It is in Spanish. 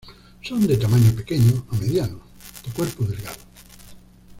Son de tamaño pequeño a mediano, de cuerpo delgado.